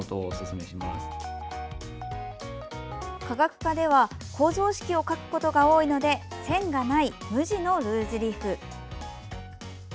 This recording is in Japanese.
化学科では構造式を書くことが多いので線がない無地のルーズリーフ。